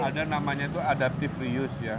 ada namanya itu adaptive reuse ya